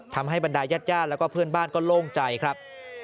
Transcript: ทำให้บรรดายญาติญาติแล้วก็เพื่อนบ้านก็โล่งใจครับ